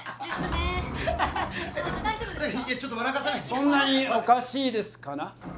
そんなにおかしいですかな？